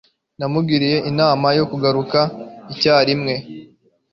namugiriye inama yo kugaruka icyarimwe